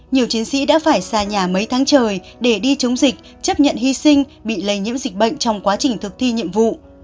nhiều chiến sĩ đã phải xa nhà mấy tháng trời để đi chống dịch chấp nhận hy sinh bị lây nhiễm dịch bệnh trong quá trình thực thi nhiệm vụ